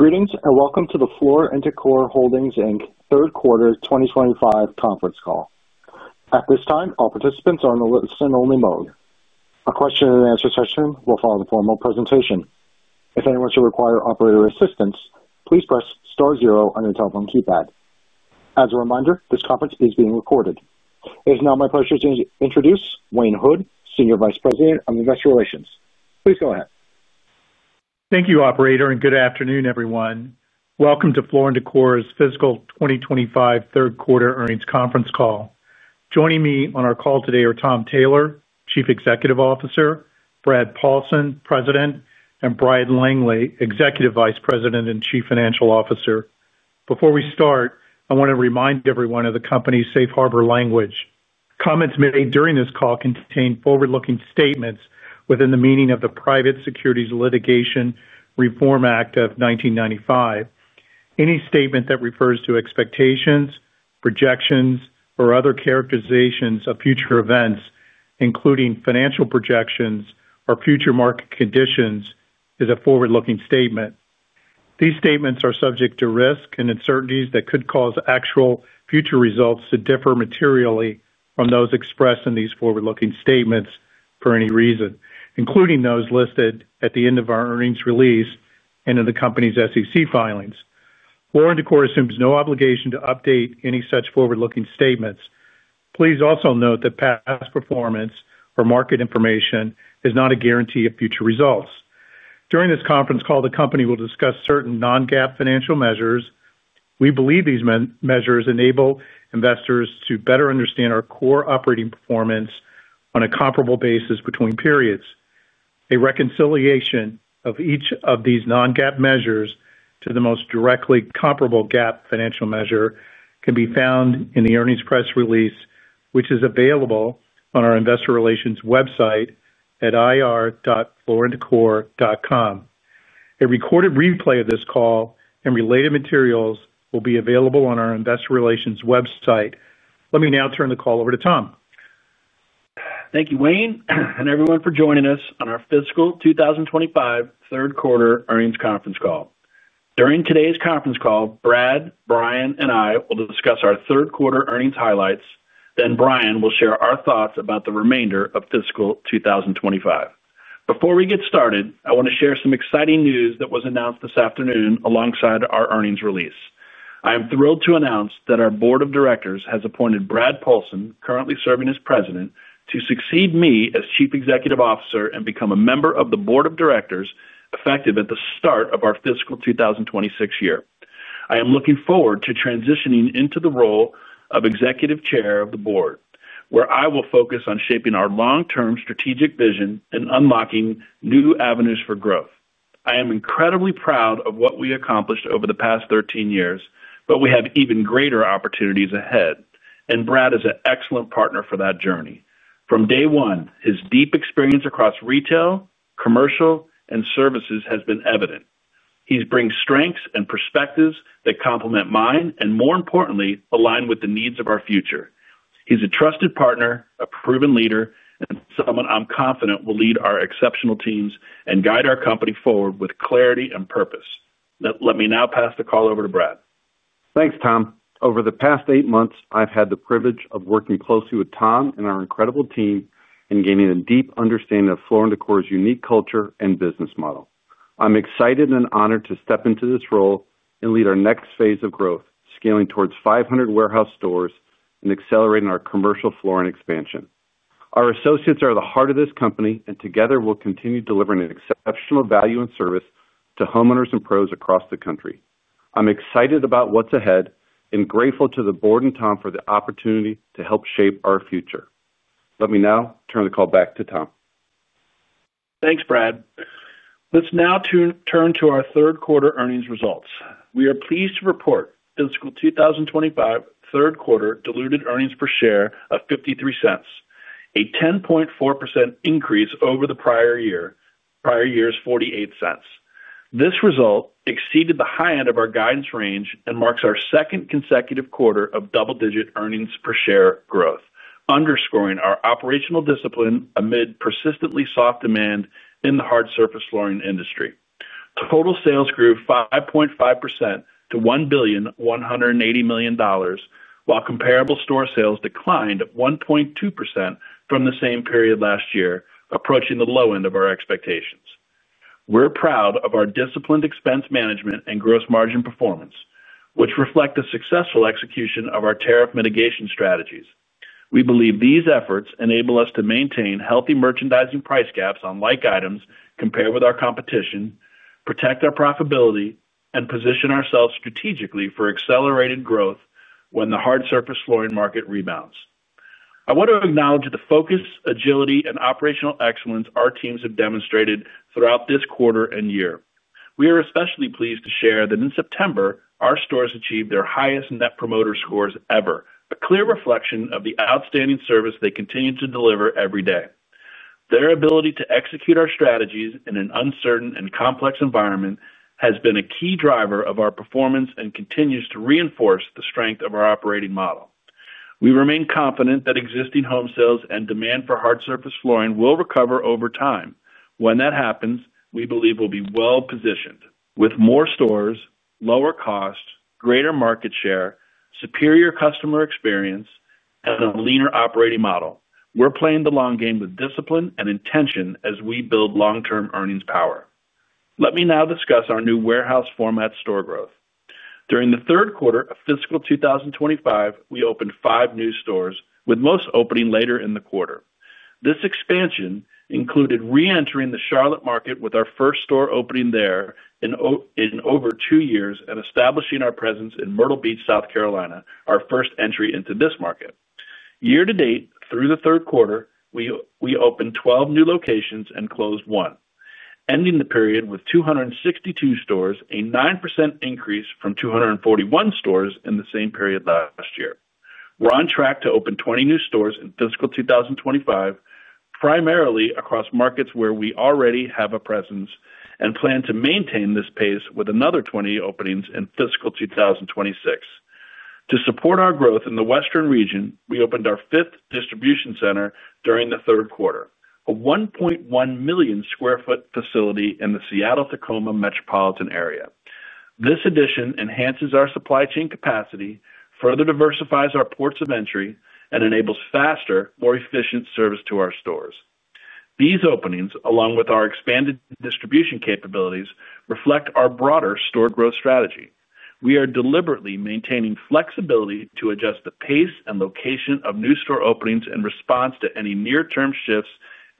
Greetings and welcome to the Floor & Decor Holdings, Inc third quarter 2025 conference call. At this time, all participants are in the listen-only mode. A question-and-answer session will follow the formal presentation. If anyone should require operator assistance, please press star zero on your telephone keypad. As a reminder, this conference is being recorded. It is now my pleasure to introduce Wayne Hood, Senior Vice President of Investor Relations. Please go ahead. Thank you, Operator, and good afternoon, everyone. Welcome to Floor & Decor fiscal 2025 third quarter earnings conference call. Joining me on our call today are Tom Taylor, Chief Executive Officer; Brad Paulsen, President; and Bryan Langley, Executive Vice President and Chief Financial Officer. Before we start, I want to remind everyone of the company's safe harbor language. Comments made during this call contain forward-looking statements within the meaning of the Private Securities Litigation Reform Act of 1995. Any statement that refers to expectations, projections, or other characterizations of future events, including financial projections or future market conditions, is a forward-looking statement. These statements are subject to risk and uncertainties that could cause actual future results to differ materially from those expressed in these forward-looking statements for any reason, including those listed at the end of our earnings release and in the company's SEC filings. Floor & Decor assumes no obligation to update any such forward-looking statements. Please also note that past performance or market information is not a guarantee of future results. During this conference call, the company will discuss certain non-GAAP financial measures. We believe these measures enable investors to better understand our core operating performance on a comparable basis between periods. A reconciliation of each of these non-GAAP measures to the most directly comparable GAAP financial measure can be found in the earnings press release, which is available on our Investor Relations website at ir.flooranddecor.com. A recorded replay of this call and related materials will be available on our Investor Relations website. Let me now turn the call over to Tom. Thank you, Wayne, and everyone for joining us on our fiscal 2025 third quarter earnings conference call. During today's conference call, Brad, Bryan, and I will discuss our third quarter earnings highlights. Bryan will share our thoughts about the remainder of fiscal 2025. Before we get started, I want to share some exciting news that was announced this afternoon alongside our earnings release. I am thrilled to announce that our Board of Directors has appointed Brad Paulsen, currently serving as President, to succeed me as Chief Executive Officer and become a member of the Board of Directors effective at the start of our fiscal 2026 year. I am looking forward to transitioning into the role of Executive Chair of the Board, where I will focus on shaping our long-term strategic vision and unlocking new avenues for growth. I am incredibly proud of what we accomplished over the past 13 years. We have even greater opportunities ahead. Brad is an excellent partner for that journey. From day one, his deep experience across retail, commercial, and services has been evident. He's bringing strengths and perspectives that complement mine and, more importantly, align with the needs of our future. He's a trusted partner, a proven leader, and someone I'm confident will lead our exceptional teams and guide our company forward with clarity and purpose. Let me now pass the call over to Brad. Thanks, Tom. Over the past eight months, I've had the privilege of working closely with Tom and our incredible team and gaining a deep understanding of Floor & Decor's unique culture and business model. I'm excited and honored to step into this role and lead our next phase of growth, scaling towards 500 warehouse-format stores and accelerating our commercial flooring distribution expansion. Our associates are at the heart of this company, and together we'll continue delivering exceptional value and service to homeowners and pros across the country. I'm excited about what's ahead and grateful to the Board and Tom for the opportunity to help shape our future. Let me now turn the call back to Tom. Thanks, Brad. Let's now turn to our third quarter earnings results. We are pleased to report fiscal 2025 third quarter diluted earnings per share of $0.53, a 10.4% increase over the prior year, prior year's $0.48. This result exceeded the high end of our guidance range and marks our second consecutive quarter of double-digit earnings per share growth, underscoring our operational discipline amid persistently soft demand in the hard surface flooring industry. Total sales grew 5.5% to $1,180 million, while comparable store sales declined at 1.2% from the same period last year, approaching the low end of our expectations. We're proud of our disciplined expense management and gross margin performance, which reflect a successful execution of our tariff mitigation strategies. We believe these efforts enable us to maintain healthy merchandising price gaps on like items compared with our competition, protect our profitability, and position ourselves strategically for accelerated growth when the hard surface flooring market rebounds. I want to acknowledge the focus, agility, and operational excellence our teams have demonstrated throughout this quarter and year. We are especially pleased to share that in September, our stores achieved their highest net promoter scores ever, a clear reflection of the outstanding service they continue to deliver every day. Their ability to execute our strategies in an uncertain and complex environment has been a key driver of our performance and continues to reinforce the strength of our operating model. We remain confident that existing home sales and demand for hard surface flooring will recover over time. When that happens, we believe we'll be well positioned with more stores, lower costs, greater market share, superior customer experience, and a leaner operating model. We're playing the long game with discipline and intention as we build long-term earnings power. Let me now discuss our new warehouse-format store growth. During the third quarter of fiscal 2025, we opened five new stores, with most opening later in the quarter. This expansion included re-entering the Charlotte market with our first store opening there in over two years and establishing our presence in Myrtle Beach, South Carolina, our first entry into this market. Year to date, through the third quarter, we opened 12 new locations and closed one, ending the period with 262 stores, a 9% increase from 241 stores in the same period last year. We're on track to open 20 new stores in fiscal 2025, primarily across markets where we already have a presence, and plan to maintain this pace with another 20 openings in fiscal 2026. To support our growth in the Western region, we opened our fifth distribution center during the third quarter, a 1.1 million square foot facility in the Seattle, Tacoma metropolitan area. This addition enhances our supply chain capacity, further diversifies our ports of entry, and enables faster, more efficient service to our stores. These openings, along with our expanded distribution capabilities, reflect our broader store growth strategy. We are deliberately maintaining flexibility to adjust the pace and location of new store openings in response to any near-term shifts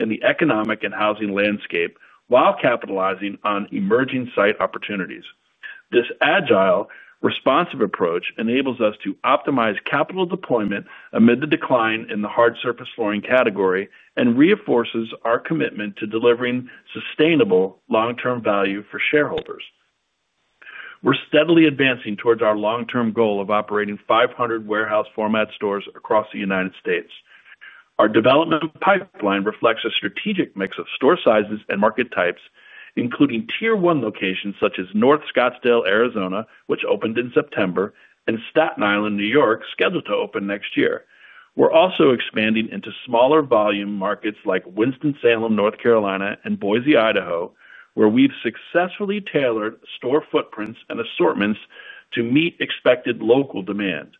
in the economic and housing landscape while capitalizing on emerging site opportunities. This agile, responsive approach enables us to optimize capital deployment amid the decline in the hard surface flooring category and reinforces our commitment to delivering sustainable long-term value for shareholders. We're steadily advancing towards our long-term goal of operating 500 warehouse-format stores across the United States. Our development pipeline reflects a strategic mix of store sizes and market types, including tier one locations such as North Scottsdale, Arizona, which opened in September, and Staten Island, New York, scheduled to open next year. We're also expanding into smaller volume markets like Winston-Salem, North Carolina, and Boise, Idaho, where we've successfully tailored store footprints and assortments to meet expected local demand.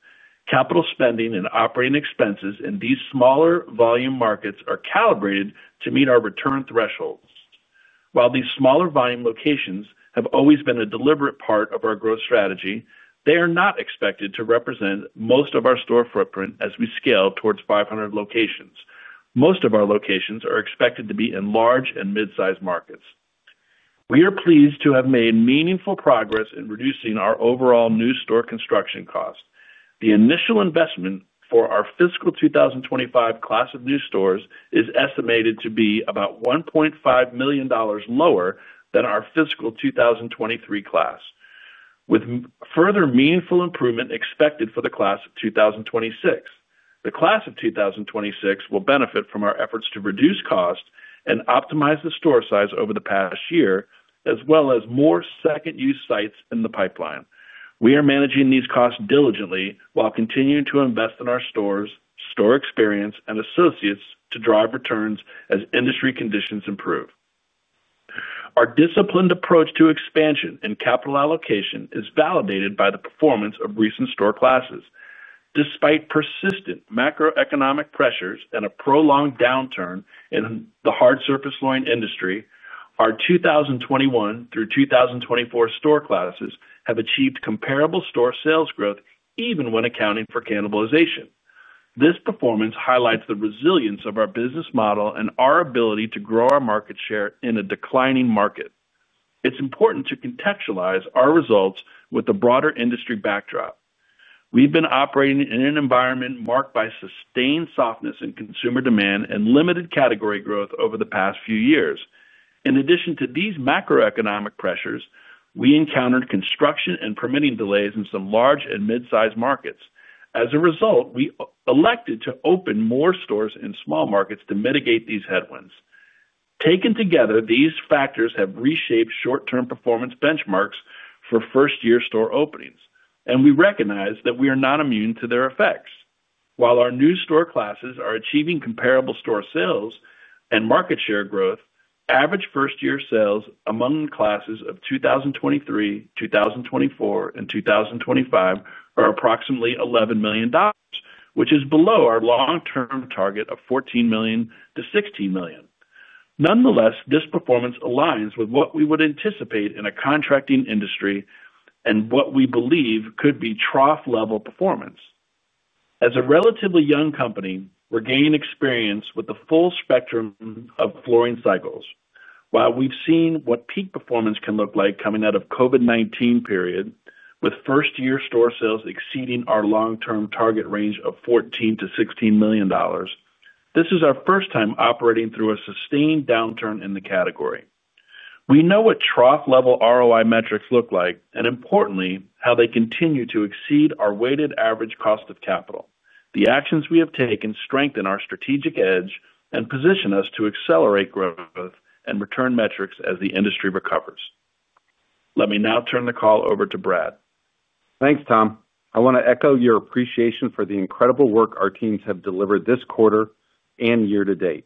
Capital spending and operating expenses in these smaller volume markets are calibrated to meet our return thresholds. While these smaller volume locations have always been a deliberate part of our growth strategy, they are not expected to represent most of our store footprint as we scale towards 500 locations. Most of our locations are expected to be in large and mid-sized markets. We are pleased to have made meaningful progress in reducing our overall new store construction cost. The initial investment for our fiscal 2025 class of new stores is estimated to be about $1.5 million lower than our fiscal 2023 class, with further meaningful improvement expected for the class of 2026. The class of 2026 will benefit from our efforts to reduce costs and optimize the store size over the past year, as well as more second-use sites in the pipeline. We are managing these costs diligently while continuing to invest in our stores, store experience, and associates to drive returns as industry conditions improve. Our disciplined approach to expansion and capital allocation is validated by the performance of recent store classes. Despite persistent macroeconomic pressures and a prolonged downturn in the hard surface flooring industry, our 2021 through 2024 store classes have achieved comparable store sales growth even when accounting for cannibalization. This performance highlights the resilience of our business model and our ability to grow our market share in a declining market. It's important to contextualize our results with the broader industry backdrop. We've been operating in an environment marked by sustained softness in consumer demand and limited category growth over the past few years. In addition to these macroeconomic pressures, we encountered construction and permitting delays in some large and mid-sized markets. As a result, we elected to open more stores in small markets to mitigate these headwinds. Taken together, these factors have reshaped short-term performance benchmarks for first-year store openings, and we recognize that we are not immune to their effects. While our new store classes are achieving comparable store sales and market share growth, average first-year sales among classes of 2023, 2024, and 2025 are approximately $11 million, which is below our long-term target of $14 million-$16 million. Nonetheless, this performance aligns with what we would anticipate in a contracting industry and what we believe could be trough-level performance. As a relatively young company, we're gaining experience with the full spectrum of flooring cycles. While we've seen what peak performance can look like coming out of the COVID-19 period, with first-year store sales exceeding our long-term target range of $14 million-$16 million, this is our first time operating through a sustained downturn in the category. We know what trough-level ROI metrics look like, and importantly, how they continue to exceed our weighted average cost of capital. The actions we have taken strengthen our strategic edge and position us to accelerate growth and return metrics as the industry recovers. Let me now turn the call over to Brad. Thanks, Tom. I want to echo your appreciation for the incredible work our teams have delivered this quarter and year to date.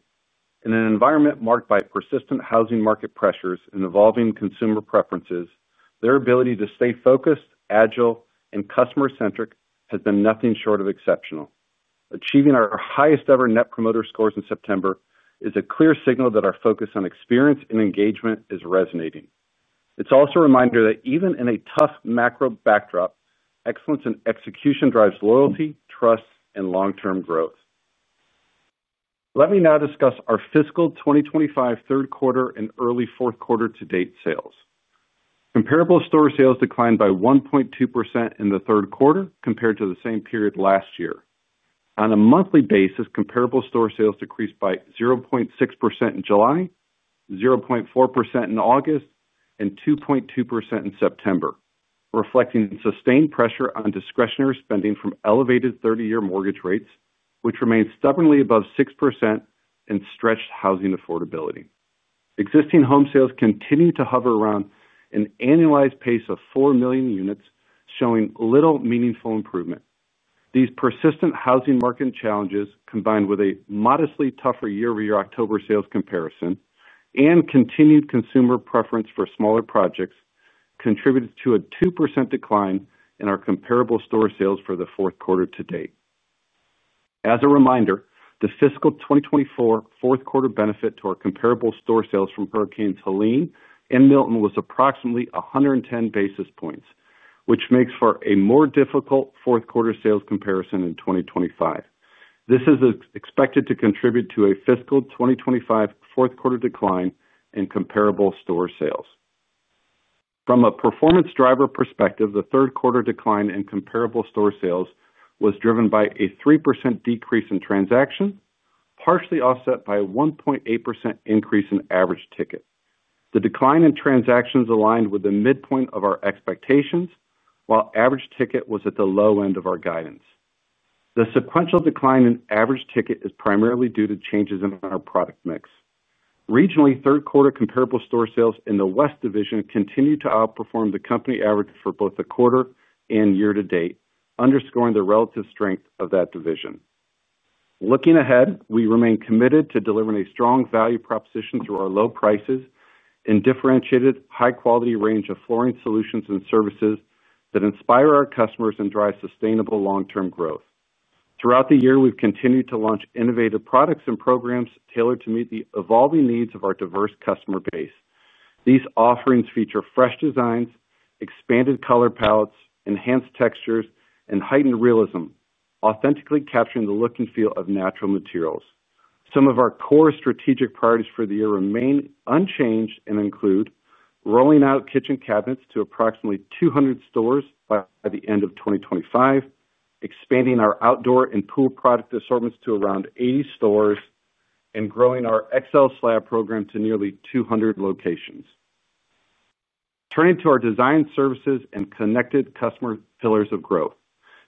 In an environment marked by persistent housing market pressures and evolving consumer preferences, their ability to stay focused, agile, and customer-centric has been nothing short of exceptional. Achieving our highest-ever net promoter scores in September is a clear signal that our focus on experience and engagement is resonating. It's also a reminder that even in a tough macro backdrop, excellence in execution drives loyalty, trust, and long-term growth. Let me now discuss our fiscal 2025 third quarter and early fourth quarter-to-date sales. Comparable store sales declined by 1.2% in the third quarter compared to the same period last year. On a monthly basis, comparable store sales decreased by 0.6% in July, 0.4% in August, and 2.2% in September. Reflecting sustained pressure on discretionary spending from elevated 30-year mortgage rates, which remained stubbornly above 6% in stretched housing affordability. Existing home sales continue to hover around an annualized pace of 4 million units, showing little meaningful improvement. These persistent housing market challenges, combined with a modestly tougher year-over-year October sales comparison and continued consumer preference for smaller projects, contributed to a 2% decline in our comparable store sales for the fourth quarter to date. As a reminder, the fiscal 2024 fourth quarter benefit to our comparable store sales from Hurricanes Helene and Milton was approximately 110 basis points, which makes for a more difficult fourth quarter sales comparison in 2025. This is expected to contribute to a fiscal 2025 fourth quarter decline in comparable store sales. From a performance driver perspective, the third quarter decline in comparable store sales was driven by a 3% decrease in transactions, partially offset by a 1.8% increase in average ticket. The decline in transactions aligned with the midpoint of our expectations, while average ticket was at the low end of our guidance. The sequential decline in average ticket is primarily due to changes in our product mix. Regionally, third quarter comparable store sales in the West division continued to outperform the company average for both the quarter and year-to-date, underscoring the relative strength of that division. Looking ahead, we remain committed to delivering a strong value proposition through our low prices and differentiated high-quality range of flooring solutions and services that inspire our customers and drive sustainable long-term growth. Throughout the year, we've continued to launch innovative products and programs tailored to meet the evolving needs of our diverse customer base. These offerings feature fresh designs, expanded color palettes, enhanced textures, and heightened realism, authentically capturing the look and feel of natural materials. Some of our core strategic priorities for the year remain unchanged and include rolling out kitchen cabinets to approximately 200 stores by the end of 2025, expanding our outdoor and pool product assortments to around 80 stores, and growing our XL Slab program to nearly 200 locations. Turning to our design services and connected customer pillars of growth,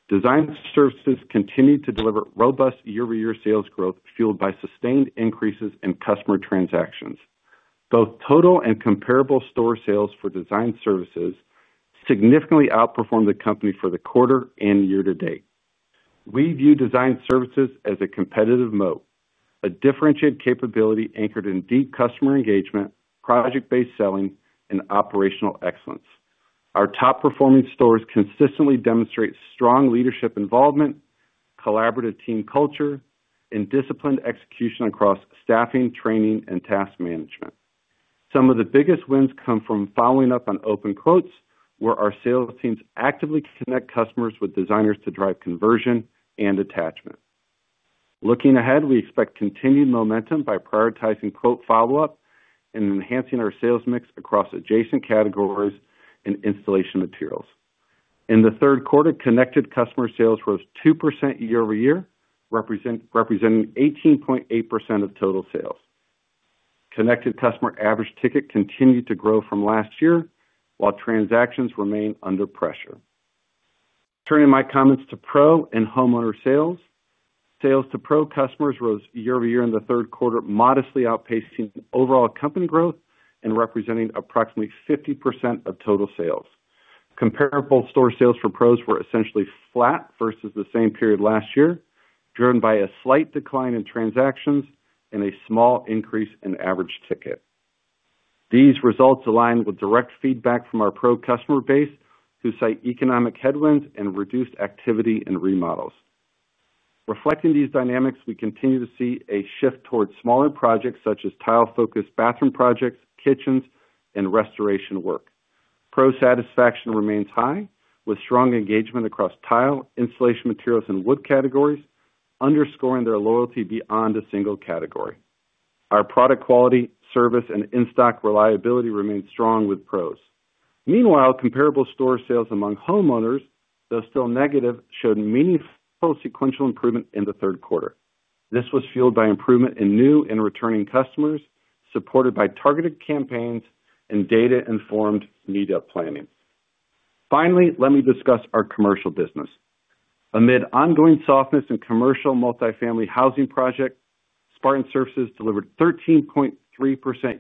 design services continue to deliver robust year-over-year sales growth fueled by sustained increases in customer transactions. Both total and comparable store sales for design services significantly outperform the company for the quarter and year-to-date. We view design services as a competitive moat, a differentiated capability anchored in deep customer engagement, project-based selling, and operational excellence. Our top-performing stores consistently demonstrate strong leadership involvement, collaborative team culture, and disciplined execution across staffing, training, and task management. Some of the biggest wins come from following up on open quotes, where our sales teams actively connect customers with designers to drive conversion and attachment. Looking ahead, we expect continued momentum by prioritizing quote follow-up and enhancing our sales mix across adjacent categories and installation materials. In the third quarter, connected customer sales rose 2% year-over-year, representing 18.8% of total sales. Connected customer average ticket continued to grow from last year, while transactions remained under pressure. Turning my comments to Pro and homeowner sales, sales to Pro customers rose year-over-year in the third quarter, modestly outpacing overall company growth and representing approximately 50% of total sales. Comparable store sales for Pros were essentially flat versus the same period last year, driven by a slight decline in transactions and a small increase in average ticket. These results align with direct feedback from our Pro customer base, who cite economic headwinds and reduced activity in remodels. Reflecting these dynamics, we continue to see a shift toward smaller projects such as tile-focused bathroom projects, kitchens, and restoration work. Pro satisfaction remains high, with strong engagement across tile, installation materials, and wood categories, underscoring their loyalty beyond a single category. Our product quality, service, and in-stock reliability remained strong with Pros. Meanwhile, comparable store sales among homeowners, though still negative, showed meaningful sequential improvement in the third quarter. This was fueled by improvement in new and returning customers, supported by targeted campaigns, and data-informed meetup planning. Finally, let me discuss our commercial business. Amid ongoing softness in commercial multifamily housing projects, Spartan Services delivered 13.3%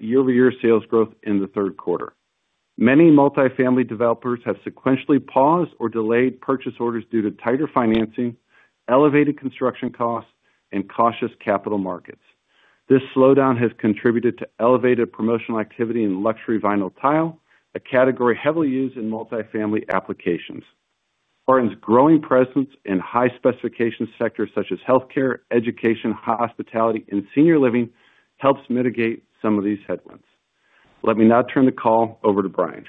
year-over-year sales growth in the third quarter. Many multifamily developers have sequentially paused or delayed purchase orders due to tighter financing, elevated construction costs, and cautious capital markets. This slowdown has contributed to elevated promotional activity in luxury vinyl tile, a category heavily used in multifamily applications. Spartan's growing presence in high-specification sectors such as healthcare, education, hospitality, and senior living helps mitigate some of these headwinds. Let me now turn the call over to Bryan.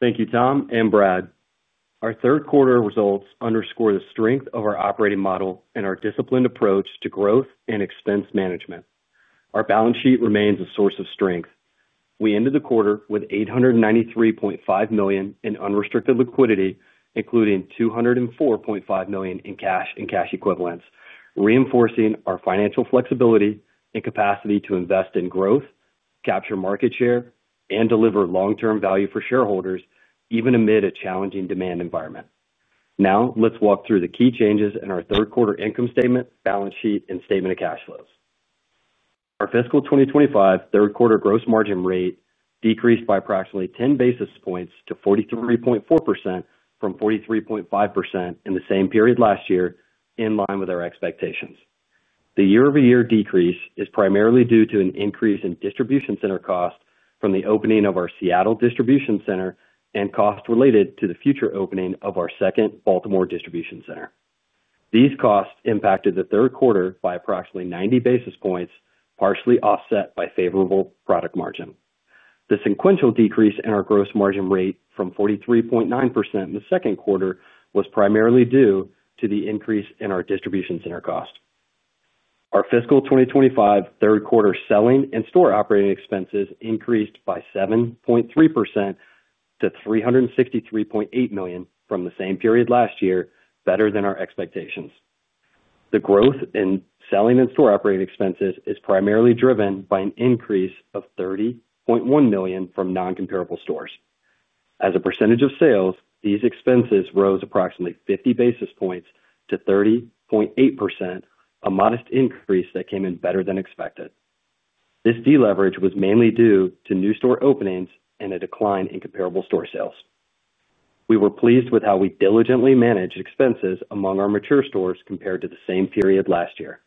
Thank you, Tom, and Brad. Our third quarter results underscore the strength of our operating model and our disciplined approach to growth and expense management. Our balance sheet remains a source of strength. We ended the quarter with $893.5 million in unrestricted liquidity, including $204.5 million in cash and cash equivalents, reinforcing our financial flexibility and capacity to invest in growth, capture market share, and deliver long-term value for shareholders, even amid a challenging demand environment. Now, let's walk through the key changes in our third quarter income statement, balance sheet, and statement of cash flows. Our fiscal 2025 third quarter gross margin rate decreased by approximately 10 basis points to 43.4% from 43.5% in the same period last year, in line with our expectations. The year-over-year decrease is primarily due to an increase in distribution center costs from the opening of our Seattle distribution center and costs related to the future opening of our second Baltimore distribution center. These costs impacted the third quarter by approximately 90 basis points, partially offset by favorable product margin. The sequential decrease in our gross margin rate from 43.9% in the second quarter was primarily due to the increase in our distribution center cost. Our fiscal 2025 third quarter selling and store operating expenses increased by 7.3% to $363.8 million from the same period last year, better than our expectations. The growth in selling and store operating expenses is primarily driven by an increase of $30.1 million from non-comparable stores. As a percentage of sales, these expenses rose approximately 50 basis points to 30.8%, a modest increase that came in better than expected. This deleverage was mainly due to new store openings and a decline in comparable store sales. We were pleased with how we diligently managed expenses among our mature stores compared to the same period last year.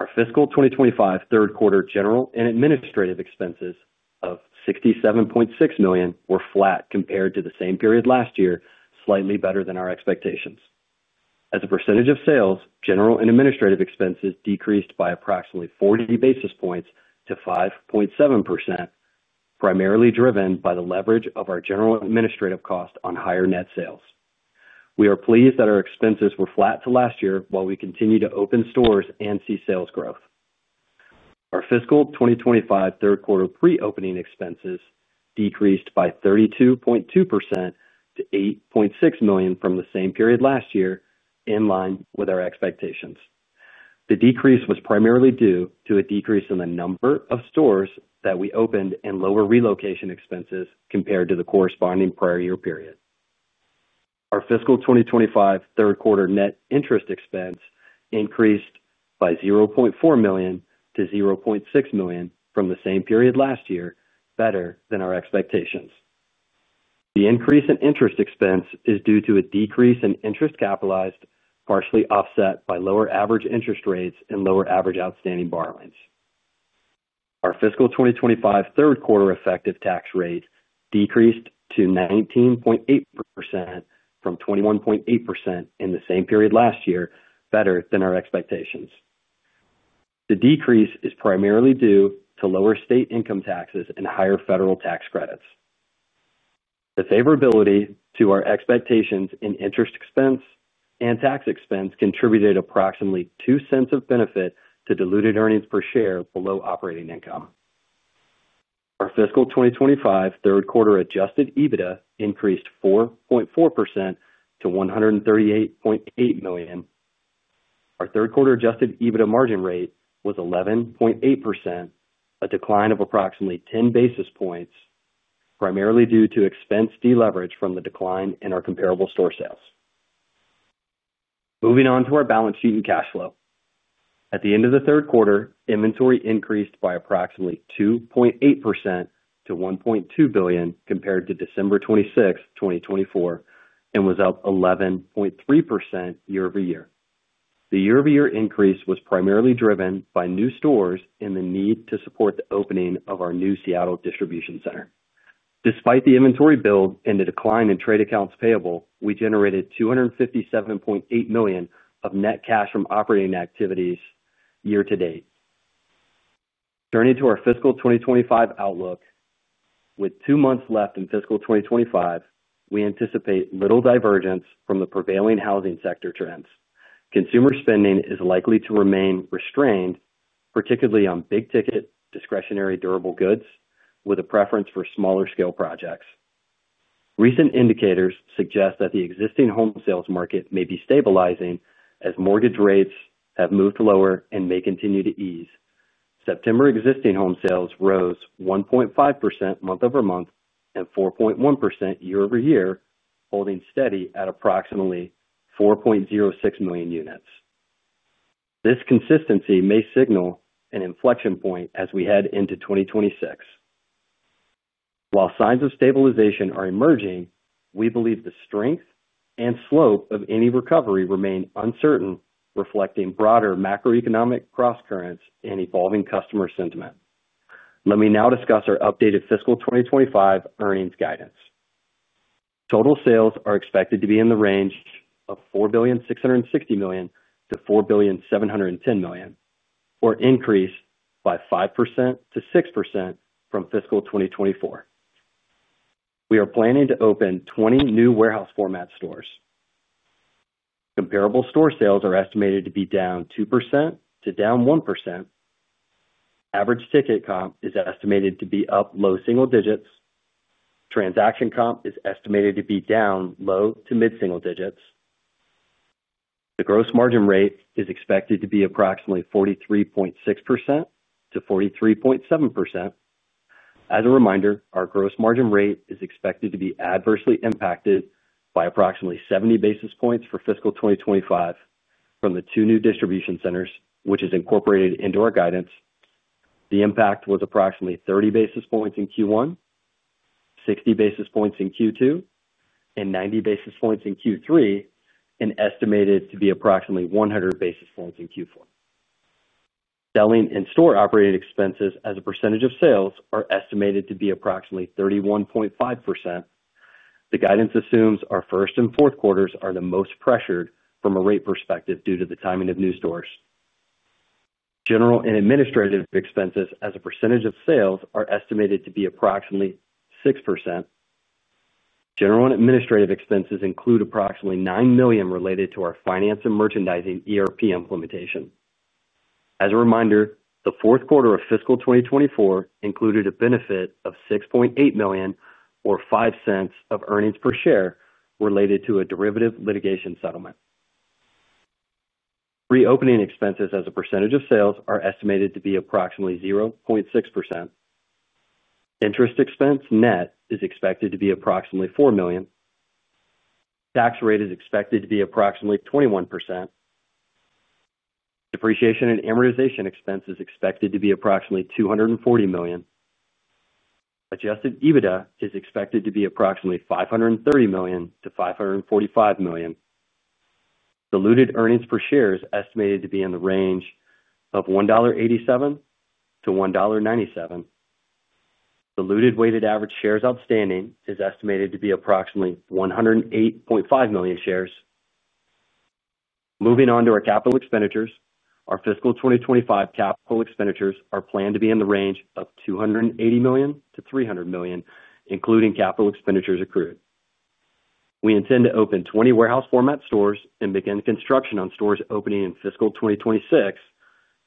Our fiscal 2025 third quarter general and administrative expenses of $67.6 million were flat compared to the same period last year, slightly better than our expectations. As a percentage of sales, general and administrative expenses decreased by approximately 40 basis points to 5.7%, primarily driven by the leverage of our general administrative cost on higher net sales. We are pleased that our expenses were flat to last year while we continue to open stores and see sales growth. Our fiscal 2025 third quarter pre-opening expenses decreased by 32.2% to $8.6 million from the same period last year, in line with our expectations. The decrease was primarily due to a decrease in the number of stores that we opened and lower relocation expenses compared to the corresponding prior year period. Our fiscal 2025 third quarter net interest expense increased by $0.4 million-$0.6 million from the same period last year, better than our expectations. The increase in interest expense is due to a decrease in interest capitalized, partially offset by lower average interest rates and lower average outstanding borrowings. Our fiscal 2025 third quarter effective tax rate decreased to 19.8% from 21.8% in the same period last year, better than our expectations. The decrease is primarily due to lower state income taxes and higher federal tax credits. The favorability to our expectations in interest expense and tax expense contributed approximately $0.02 of benefit to diluted EPS below operating income. Our fiscal 2025 third quarter adjusted EBITDA increased 4.4% to $138.8 million. Our third quarter adjusted EBITDA margin rate was 11.8%, a decline of approximately 10 basis points, primarily due to expense deleverage from the decline in our comparable store sales. Moving on to our balance sheet and cash flow. At the end of the third quarter, inventory increased by approximately 2.8% to $1.2 billion compared to December 26, 2024, and was up 11.3% year-over-year. The year-over-year increase was primarily driven by new stores and the need to support the opening of our new Seattle distribution center. Despite the inventory build and the decline in trade accounts payable, we generated $257.8 million of net cash from operating activities year-to-date. Turning to our fiscal 2025 outlook, with two months left in fiscal 2025, we anticipate little divergence from the prevailing housing sector trends. Consumer spending is likely to remain restrained, particularly on big-ticket discretionary durable goods, with a preference for smaller-scale projects. Recent indicators suggest that the existing home sales market may be stabilizing as mortgage rates have moved lower and may continue to ease. September existing home sales rose 1.5% month-over-month and 4.1% year-over-year, holding steady at approximately 4.06 million units. This consistency may signal an inflection point as we head into 2026. While signs of stabilization are emerging, we believe the strength and slope of any recovery remain uncertain, reflecting broader macroeconomic cross-currents and evolving customer sentiment. Let me now discuss our updated fiscal 2025 earnings guidance. Total sales are expected to be in the range of $4,660,000,000 to $4,710,000,000, or increase by 5%-6% from fiscal 2024. We are planning to open 20 new warehouse-format stores. Comparable store sales are estimated to be down 2% to down 1%. Average ticket comp is estimated to be up low single digits. Transaction comp is estimated to be down low to mid-single digits. The gross margin rate is expected to be approximately 43.6%-43.7%. As a reminder, our gross margin rate is expected to be adversely impacted by approximately 70 basis points for fiscal 2025 from the two new distribution centers, which is incorporated into our guidance. The impact was approximately 30 basis points in Q1, 60 basis points in Q2, and 90 basis points in Q3, and estimated to be approximately 100 basis points in Q4. Selling and store operating expenses as a percentage of sales are estimated to be approximately 31.5%. The guidance assumes our first and fourth quarters are the most pressured from a rate perspective due to the timing of new stores. General and administrative expenses as a percentage of sales are estimated to be approximately 6%. General and administrative expenses include approximately $9 million related to our finance and merchandising ERP implementation. As a reminder, the fourth quarter of fiscal 2024 included a benefit of $6.8 million, or $0.05 of earnings per share, related to a derivative litigation settlement. Pre-opening expenses as a percentage of sales are estimated to be approximately 0.6%. Interest expense net is expected to be approximately $4 million. Tax rate is expected to be approximately 21%. Depreciation and amortization expense is expected to be approximately $240,000,000. Adjusted EBITDA is expected to be approximately $530,000,000 to $545,000,000. Diluted earnings per share is estimated to be in the range of $1.87-$1.97. Diluted weighted average shares outstanding is estimated to be approximately 108.5 million shares. Moving on to our capital expenditures, our fiscal 2025 capital expenditures are planned to be in the range of $280,000,000 to $300,000,000, including capital expenditures accrued. We intend to open 20 warehouse-format stores and begin construction on stores opening in fiscal 2026.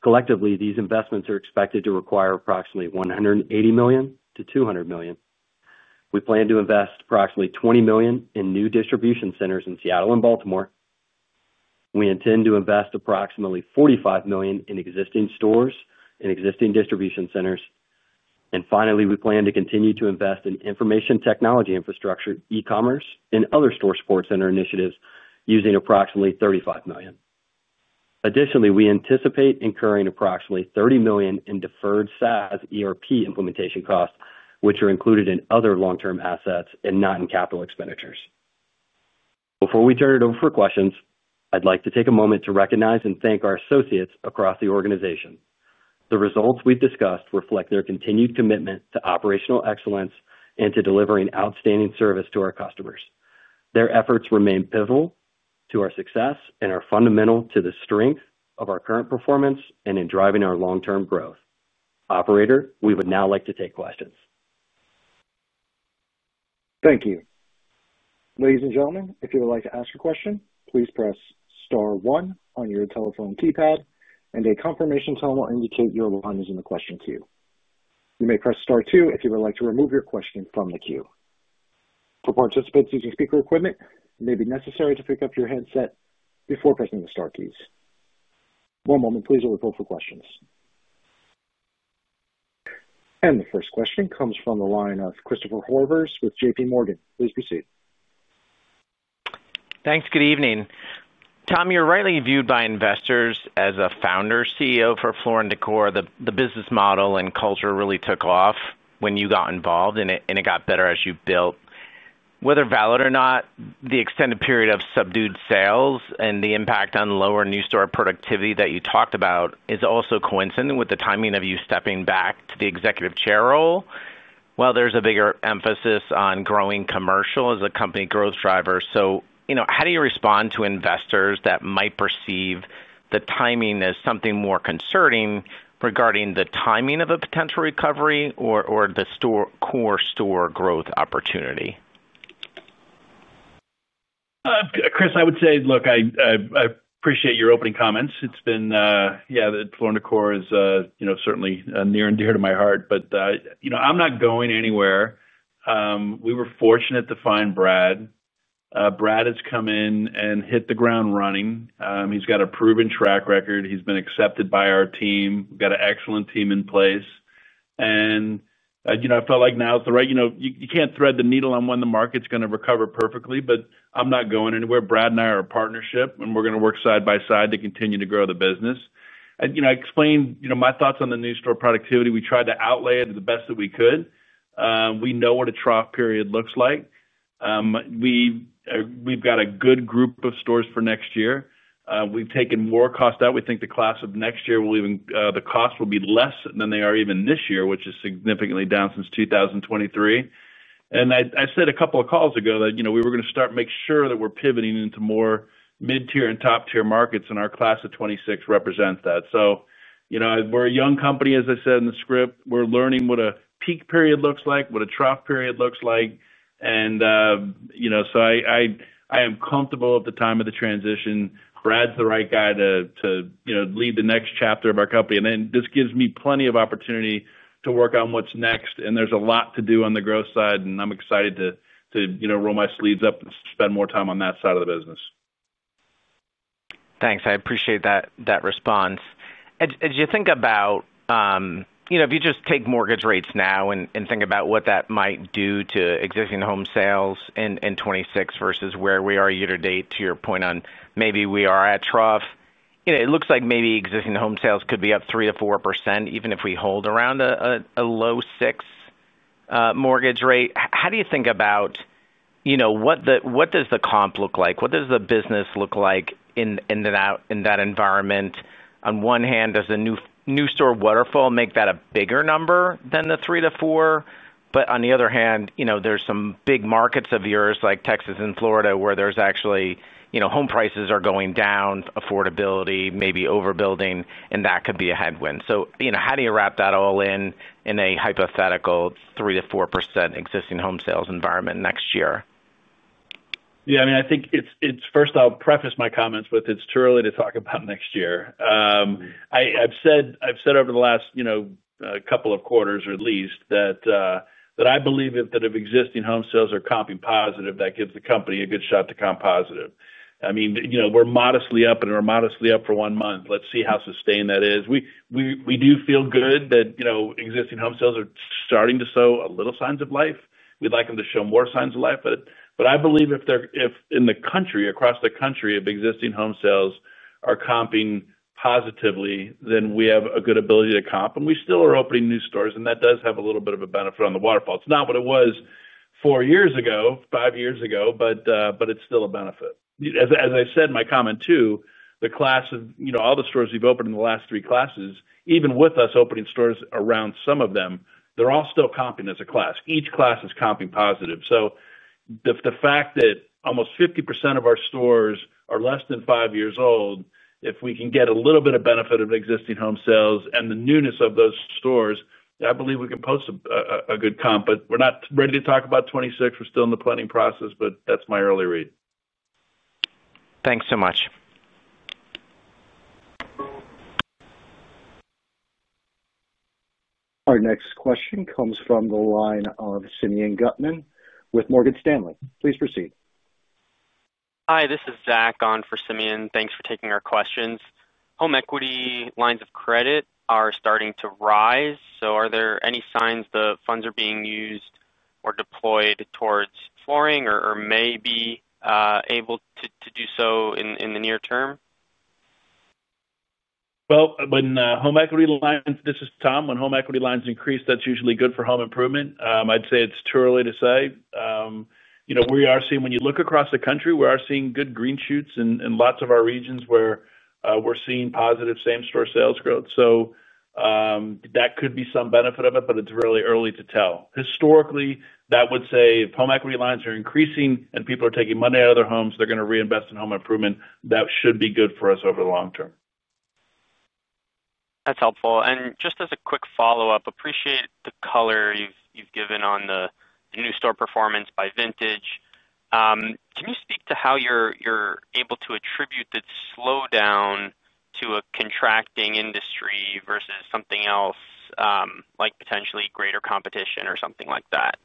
Collectively, these investments are expected to require approximately $180,000,000 to $200,000,000. We plan to invest approximately $20,000,000 in new distribution centers in Seattle and Baltimore. We intend to invest approximately $45,000,000 in existing stores and existing distribution centers. We plan to continue to invest in information technology infrastructure, e-commerce, and other store support center initiatives using approximately $35,000,000. Additionally, we anticipate incurring approximately $30,000,000 in deferred SaaS ERP implementation costs, which are included in other long-term assets and not in capital expenditures. Before we turn it over for questions, I'd like to take a moment to recognize and thank our associates across the organization. The results we've discussed reflect their continued commitment to operational excellence and to delivering outstanding service to our customers. Their efforts remain pivotal to our success and are fundamental to the strength of our current performance and in driving our long-term growth. Operator, we would now like to take questions. Thank you. Ladies and gentlemen, if you would like to ask your question, please press star one on your telephone keypad, and a confirmation tone will indicate your line is in the question queue. You may press star two if you would like to remove your question from the queue. For participants using speaker equipment, it may be necessary to pick up your headset before pressing the star keys. One moment, please, we'll wait for questions. The first question comes from the line of Christopher Horvers with JPMorgan. Please proceed. Thanks. Good evening. Tom, you're rightly viewed by investors as a founder CEO for Floor & Decor. The business model and culture really took off when you got involved, and it got better as you built. Whether valid or not, the extended period of subdued sales and the impact on lower new store productivity that you talked about is also coincident with the timing of you stepping back to the Executive Chair role. While there's a bigger emphasis on growing commercial as a company growth driver, how do you respond to investors that might perceive the timing as something more concerning regarding the timing of a potential recovery or the core store growth opportunity? Chris, I would say, look, I appreciate your opening comments. It's been, yeah, that Floor & Decor is certainly near and dear to my heart, but I'm not going anywhere. We were fortunate to find Brad. Brad has come in and hit the ground running. He's got a proven track record. He's been accepted by our team. We've got an excellent team in place. I felt like now is the right, you can't thread the needle on when the market's going to recover perfectly, but I'm not going anywhere. Brad and I are a partnership, and we're going to work side by side to continue to grow the business. I explained my thoughts on the new store productivity. We tried to outlay it as the best that we could. We know what a trough period looks like. We've got a good group of stores for next year. We've taken more cost out. We think the class of next year, the cost will be less than they are even this year, which is significantly down since 2023. I said a couple of calls ago that we were going to start to make sure that we're pivoting into more mid-tier and top-tier markets, and our class of 2026 represents that. We're a young company, as I said in the script. We're learning what a peak period looks like, what a trough period looks like. I am comfortable at the time of the transition. Brad's the right guy to lead the next chapter of our company. This gives me plenty of opportunity to work on what's next. There's a lot to do on the growth side, and I'm excited to roll my sleeves up and spend more time on that side of the business. Thanks. I appreciate that response. As you think about, if you just take mortgage rates now and think about what that might do to existing home sales in 2026 versus where we are year-to-date, to your point on maybe we are at trough, it looks like maybe existing home sales could be up 3%-4%, even if we hold around a low 6% mortgage rate. How do you think about what does the comp look like? What does the business look like in that environment? On one hand, does a new store waterfall make that a bigger number than the 3%-4%? On the other hand, there's some big markets of yours, like Texas and Florida, where there's actually home prices are going down, affordability, maybe overbuilding, and that could be a headwind. How do you wrap that all in a hypothetical 3%-4% existing home sales environment next year? Yeah, I mean, I think it's first, I'll preface my comments with it's too early to talk about next year. I've said over the last couple of quarters, or at least that, I believe that if existing home sales are comping positive, that gives the company a good shot to comp positive. I mean, we're modestly up, and we're modestly up for one month. Let's see how sustained that is. We do feel good that existing home sales are starting to show a little signs of life. We'd like them to show more signs of life. I believe if in the country, across the country, if existing home sales are comping positively, then we have a good ability to comp. We still are opening new stores, and that does have a little bit of a benefit on the waterfall. It's not what it was four years ago, five years ago, but it's still a benefit. As I said in my comment too, the class of all the stores we've opened in the last three classes, even with us opening stores around some of them, they're all still comping as a class. Each class is comping positive. The fact that almost 50% of our stores are less than five years old, if we can get a little bit of benefit of existing home sales and the newness of those stores, I believe we can post a good comp. We're not ready to talk about 2026. We're still in the planning process, but that's my early read. Thanks so much. Our next question comes from the line of Simeon Gutman with Morgan Stanley. Please proceed. Hi, this is Zachary for Simeon. Thanks for taking our questions. Home equity lines of credit are starting to rise. Are there any signs the funds are being used or deployed towards flooring or may be able to do so in the near term? When home equity lines increase, this is Tom. When home equity lines increase, that's usually good for home improvement. I'd say it's too early to say. We are seeing, when you look across the country, we are seeing good green shoots in lots of our regions where we're seeing positive same-store sales growth. That could be some benefit of it, but it's really early to tell. Historically, that would say if home equity lines are increasing and people are taking money out of their homes, they're going to reinvest in home improvement, that should be good for us over the long term. That's helpful. Just as a quick follow-up, appreciate the color you've given on the new store performance by vintage. Can you speak to how you're able to attribute the slowdown to a contracting industry versus something else, like potentially greater competition or something like that?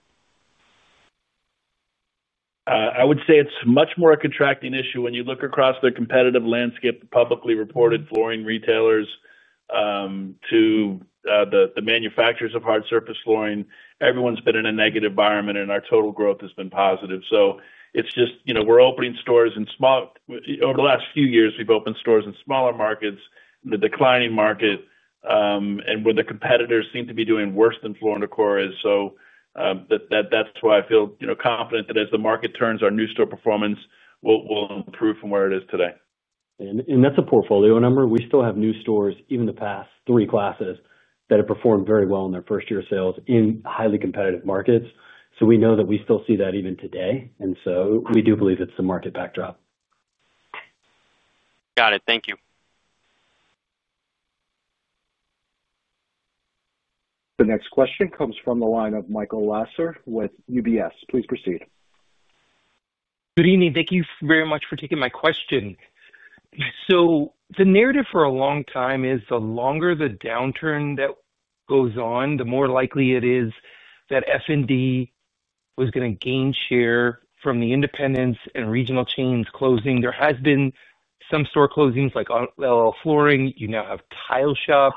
I would say it's much more a contracting issue when you look across the competitive landscape, the publicly reported flooring retailers to the manufacturers of hard surface flooring. Everyone's been in a negative environment, and our total growth has been positive. It's just we're opening stores in small, over the last few years we've opened stores in smaller markets, the declining market, and where the competitors seem to be doing worse than Floor & Decor is. That's why I feel confident that as the market turns, our new store performance will improve from where it is today. That's a portfolio number. We still have new stores, even the past three classes, that have performed very well in their first-year sales in highly competitive markets. We know that we still see that even today, and we do believe it's the market backdrop. Got it. Thank you. The next question comes from the line of Michael Lasser with UBS. Please proceed. Good evening. Thank you very much for taking my question. The narrative for a long time is the longer the downturn that goes on, the more likely it is that F&D was going to gain share from the independents and regional chains closing. There have been some store closings like LL Flooring. You now have Tile Shop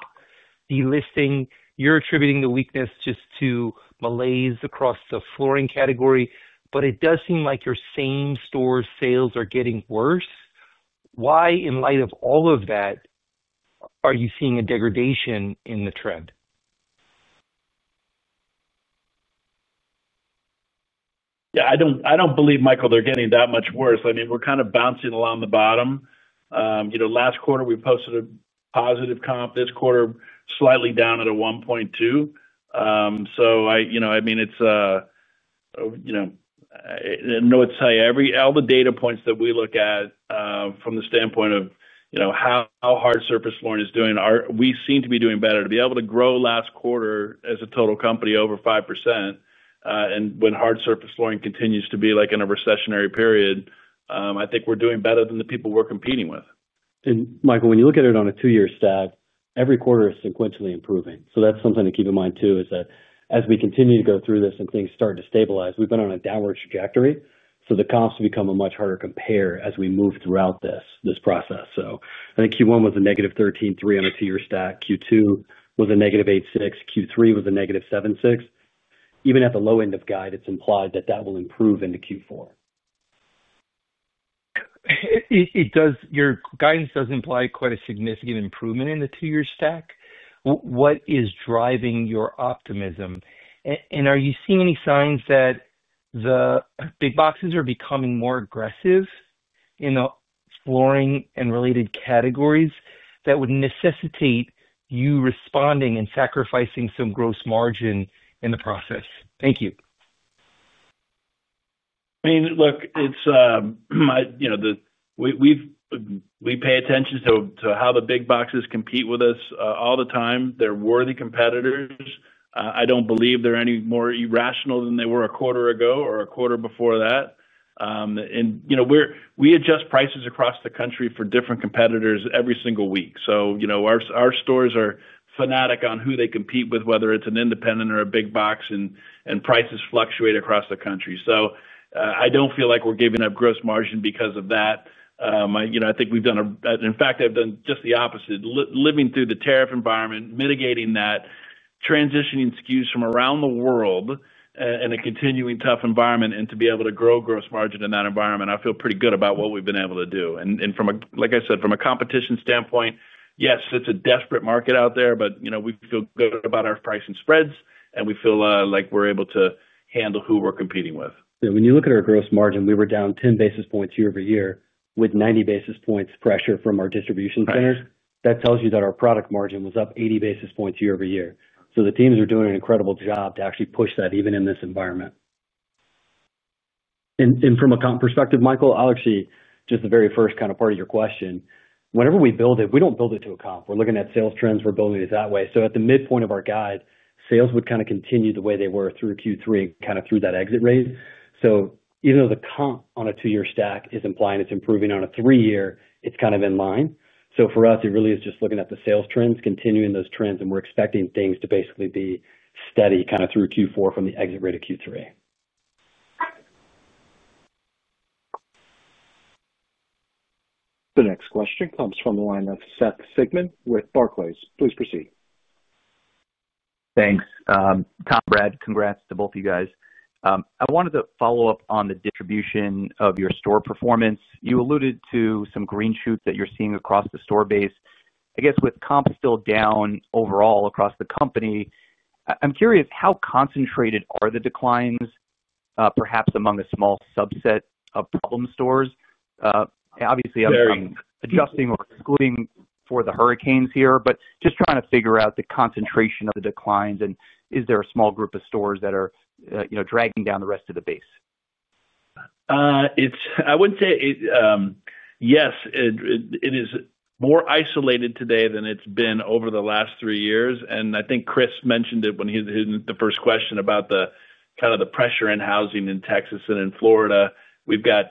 delisting. You're attributing the weakness just to malaise across the flooring category. It does seem like your comparable store sales are getting worse. Why, in light of all of that, are you seeing a degradation in the trend? Yeah, I don't believe, Michael, they're getting that much worse. I mean, we're kind of bouncing along the bottom. Last quarter, we posted a positive comp. This quarter, slightly down at 1.2%. I mean, it's all the data points that we look at from the standpoint of how hard surface flooring is doing. We seem to be doing better. To be able to grow last quarter as a total company over 5%, and when hard surface flooring continues to be like in a recessionary period, I think we're doing better than the people we're competing with. Michael, when you look at it on a two-year stack, every quarter is sequentially improving. That's something to keep in mind too, is that as we continue to go through this and things start to stabilize, we've been on a downward trajectory. The comps have become a much harder compare as we move throughout this process. I think Q1 was a -13.3% on a two-year stack. Q2 was a -8.6%. Q3 was a -7.6%. Even at the low end of guide, it's implied that will improve into Q4. Your guidance does imply quite a significant improvement in the two-year stack. What is driving your optimism? Are you seeing any signs that the big boxes are becoming more aggressive in the flooring and related categories that would necessitate you responding and sacrificing some gross margin in the process? Thank you. I mean, look. We pay attention to how the big boxes compete with us all the time. They're worthy competitors. I don't believe they're any more irrational than they were a quarter ago or a quarter before that. We adjust prices across the country for different competitors every single week. Our stores are fanatic on who they compete with, whether it's an independent or a big box, and prices fluctuate across the country. I don't feel like we're giving up gross margin because of that. I think we've done, in fact, I've done just the opposite. Living through the tariff environment, mitigating that. Transitioning SKUs from around the world. In a continuing tough environment, to be able to grow gross margin in that environment, I feel pretty good about what we've been able to do. Like I said, from a competition standpoint, yes, it's a desperate market out there, but we feel good about our pricing spreads, and we feel like we're able to handle who we're competing with. When you look at our gross margin, we were down 10 basis points year-over-year with 90 basis points pressure from our distribution centers. That tells you that our product margin was up 80 basis points year-over-year. The teams are doing an incredible job to actually push that even in this environment. From a comp perspective, Michael, I'll actually just the very first kind of part of your question. Whenever we build it, we don't build it to a comp. We're looking at sales trends. We're building it that way. At the midpoint of our guide, sales would kind of continue the way they were through Q3 and kind of through that exit rate. Even though the comp on a two-year stack is implying it's improving, on a three-year, it's kind of in line. For us, it really is just looking at the sales trends, continuing those trends, and we're expecting things to basically be steady kind of through Q4 from the exit rate of Q3. The next question comes from the line of Seth Sigman with Barclays. Please proceed. Thanks. Tom, Brad, congrats to both of you guys. I wanted to follow up on the distribution of your store performance. You alluded to some green shoots that you're seeing across the store base. I guess with comp still down overall across the company, I'm curious how concentrated are the declines, perhaps among a small subset of problem stores? Obviously, I'm adjusting or excluding for the hurricanes here, just trying to figure out the concentration of the declines, and is there a small group of stores that are dragging down the rest of the base? I wouldn't say. Yes, it is more isolated today than it's been over the last three years. I think Chris mentioned it when he was in the first question about the kind of the pressure in housing in Texas and in Florida. We've got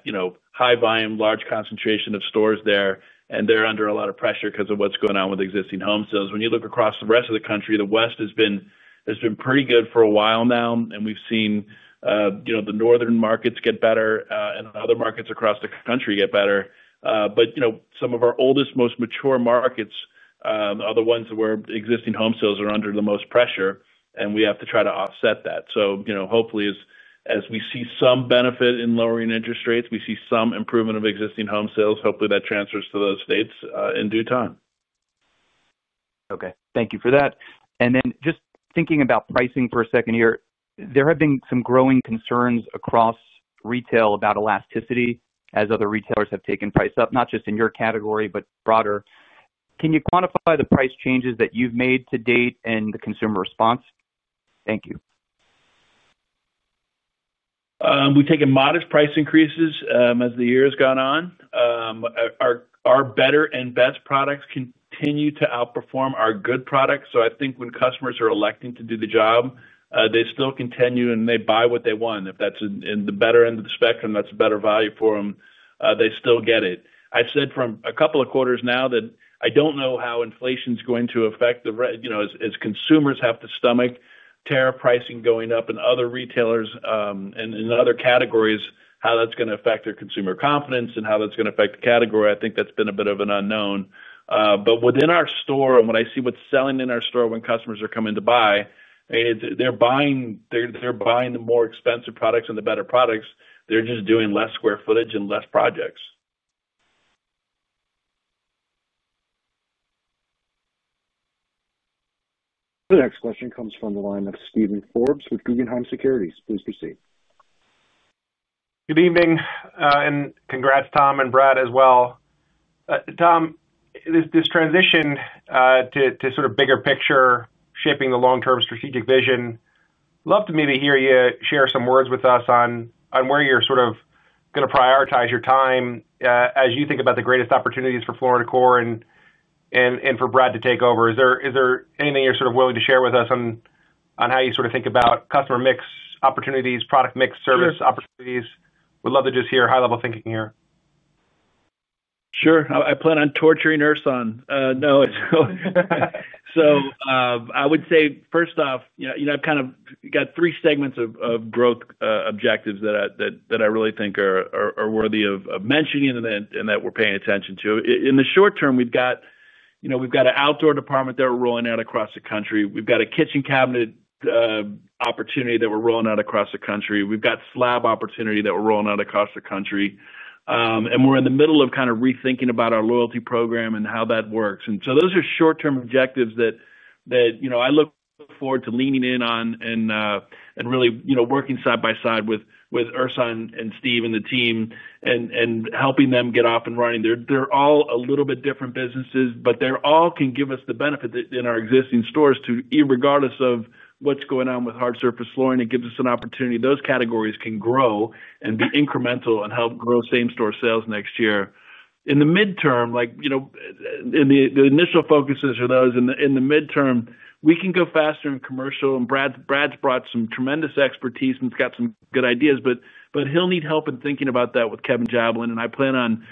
high volume, large concentration of stores there, and they're under a lot of pressure because of what's going on with existing home sales. When you look across the rest of the country, the West has been pretty good for a while now, and we've seen the northern markets get better and other markets across the country get better. Some of our oldest, most mature markets are the ones where existing home sales are under the most pressure, and we have to try to offset that. Hopefully, as we see some benefit in lowering interest rates, we see some improvement of existing home sales. Hopefully, that transfers to those states in due time. Okay. Thank you for that. Just thinking about pricing for a second here, there have been some growing concerns across retail about elasticity as other retailers have taken price up, not just in your category, but broader. Can you quantify the price changes that you've made to date and the consumer response? Thank you. We've taken modest price increases as the year has gone on. Our better and best products continue to outperform our good products. I think when customers are electing to do the job, they still continue and they buy what they want. If that's in the better end of the spectrum, that's better value for them. They still get it. I have said for a couple of quarters now that I don't know how inflation is going to affect, as consumers have to stomach tariff pricing going up and other retailers and other categories, how that's going to affect their consumer confidence and how that's going to affect the category. I think that's been a bit of an unknown. Within our store, and when I see what's selling in our store when customers are coming to buy, they're buying the more expensive products and the better products, they're just doing less square footage and less projects. The next question comes from the line of Steven Forbes with Guggenheim Securities. Please proceed. Good evening and congrats, Tom and Brad, as well. Tom, this transition to sort of bigger picture, shaping the long-term strategic vision, I'd love to maybe hear you share some words with us on where you're sort of going to prioritize your time as you think about the greatest opportunities for Floor & Decor. For Brad to take over, is there anything you're sort of willing to share with us on how you sort of think about customer mix opportunities, product mix service opportunities? We'd love to just hear high-level thinking here. Sure. I would say, first off, I've kind of got three segments of growth objectives that I really think are worthy of mentioning and that we're paying attention to. In the short term, we've got an outdoor department that we're rolling out across the country. We've got a kitchen cabinet opportunity that we're rolling out across the country. We've got slab opportunity that we're rolling out across the country. We're in the middle of kind of rethinking about our loyalty program and how that works. Those are short-term objectives that I look forward to leaning in on and really working side by side with Ersan and Steve and the team and helping them get off and running. They're all a little bit different businesses, but they all can give us the benefit in our existing stores too, regardless of what's going on with hard surface flooring. It gives us an opportunity. Those categories can grow and be incremental and help grow same-store sales next year. In the midterm, the initial focuses are those. In the midterm, we can go faster in commercial. Brad's brought some tremendous expertise and he's got some good ideas, but he'll need help in thinking about that with Kevin Javellana. I plan on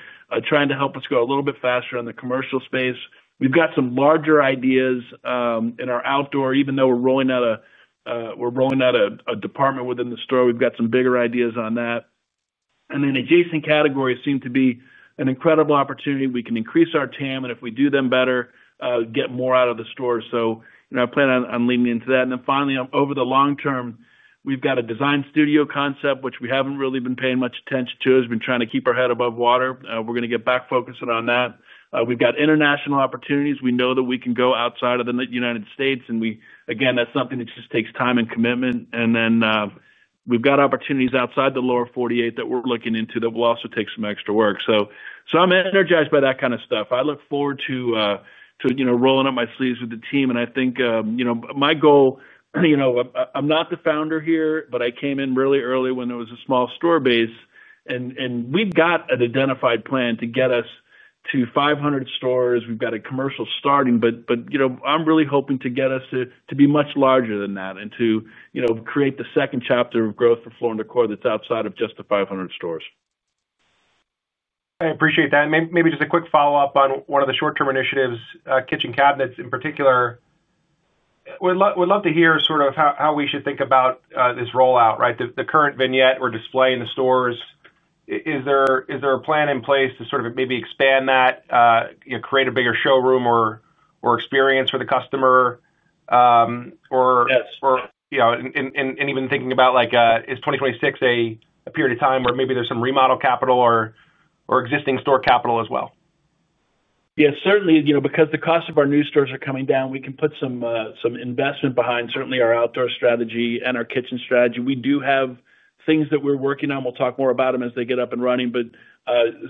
trying to help us go a little bit faster in the commercial space. We've got some larger ideas in our outdoor. Even though we're rolling out a department within the store, we've got some bigger ideas on that. Adjacent categories seem to be an incredible opportunity. We can increase our TAM, and if we do them better, get more out of the store. I plan on leaning into that. Finally, over the long term, we've got a design studio concept, which we haven't really been paying much attention to. We've been trying to keep our head above water. We're going to get back focusing on that. We've got international opportunities. We know that we can go outside of the United States. Again, that's something that just takes time and commitment. We've got opportunities outside the lower 48 that we're looking into that will also take some extra work. I'm energized by that kind of stuff. I look forward to rolling up my sleeves with the team. I think my goal, I'm not the founder here, but I came in really early when there was a small store base. We've got an identified plan to get us to 500 stores. We've got a commercial starting, but I'm really hoping to get us to be much larger than that and to create the second chapter of growth for Floor & Decor that's outside of just the 500 stores. I appreciate that. Maybe just a quick follow-up on one of the short-term initiatives, kitchen cabinets in particular. We'd love to hear sort of how we should think about this rollout, right? The current vignette or display in the stores. Is there a plan in place to sort of maybe expand that, create a bigger showroom or experience for the customer, or even thinking about, is 2026 a period of time where maybe there's some remodel capital or existing store capital as well? Yeah, certainly. Because the cost of our new stores are coming down, we can put some investment behind certainly our outdoor strategy and our kitchen strategy. We do have things that we're working on. We'll talk more about them as they get up and running.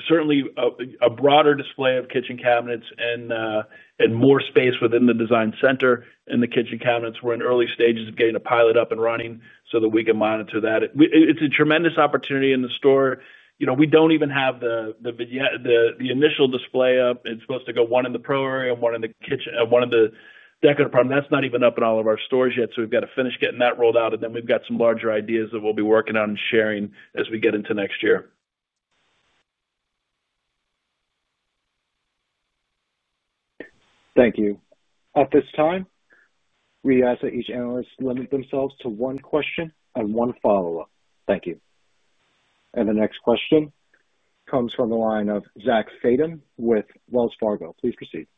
Certainly, a broader display of kitchen cabinets and more space within the design center and the kitchen cabinets. We're in early stages of getting a pilot up and running so that we can monitor that. It's a tremendous opportunity in the store. We don't even have the initial display up. It's supposed to go one in the pro area, one in the kitchen, and one in the decor department. That's not even up in all of our stores yet. We've got to finish getting that rolled out. We've got some larger ideas that we'll be working on and sharing as we get into next year. Thank you. At this time, we ask that each analyst limit themselves to one question and one follow-up. Thank you. The next question comes from the line of Zachary Fadem with Wells Fargo. Please proceed.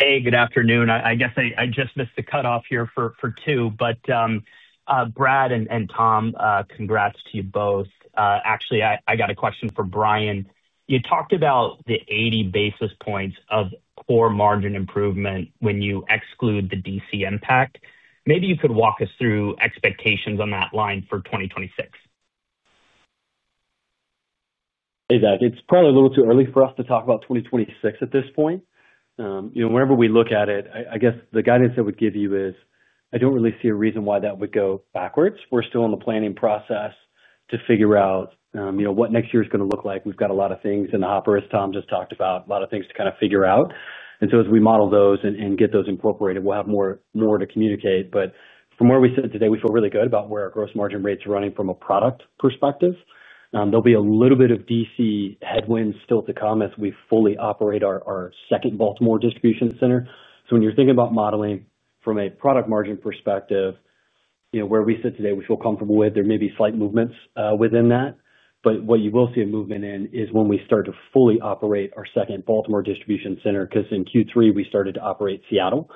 Hey, good afternoon. I guess I just missed the cutoff here for two, but Brad and Tom, congrats to you both. Actually, I got a question for Bryan. You talked about the 80 basis points of core margin improvement when you exclude the DC impact. Maybe you could walk us through expectations on that line for 2026. Hey, Zach, it's probably a little too early for us to talk about 2026 at this point. Whenever we look at it, I guess the guidance that we'd give you is I don't really see a reason why that would go backwards. We're still in the planning process to figure out what next year is going to look like. We've got a lot of things in the hopper, as Tom just talked about, a lot of things to kind of figure out. As we model those and get those incorporated, we'll have more to communicate. From where we sit today, we feel really good about where our gross margin rates are running from a product perspective. There'll be a little bit of DC headwinds still to come as we fully operate our second Baltimore distribution center. When you're thinking about modeling from a product margin perspective, where we sit today, which we'll come from with, there may be slight movements within that. What you will see a movement in is when we start to fully operate our second Baltimore distribution center because in Q3, we started to operate Seattle.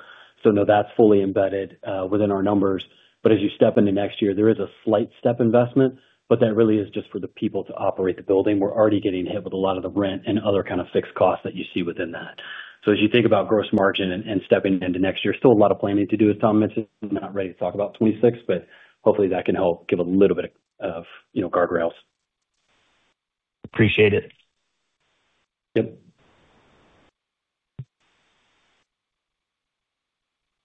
That's fully embedded within our numbers. As you step into next year, there is a slight step investment, but that really is just for the people to operate the building. We're already getting hit with a lot of the rent and other kind of fixed costs that you see within that. As you think about gross margin and stepping into next year, still a lot of planning to do, as Tom mentioned. I'm not ready to talk about 2026, but hopefully that can help give a little bit of guardrails. Appreciate it.